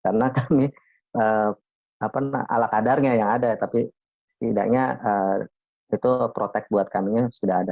karena kami ala kadarnya yang ada tapi setidaknya itu protek buat kami sudah ada